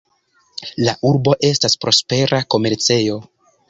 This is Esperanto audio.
La urbo estas prospera komercejo.